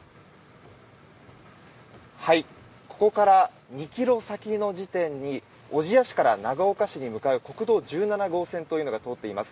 ここから２ｋｍ先の地点に小千谷市から長岡市に向かう国道１７号というのが通っています。